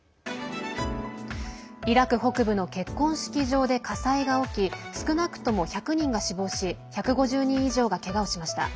イラク北部の結婚式場で火災が起き少なくとも１００人が死亡し１５０人以上が、けがをしました。